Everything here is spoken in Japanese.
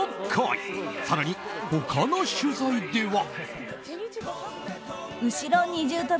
更に他の取材では。